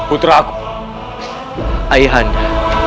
putra aku hai anda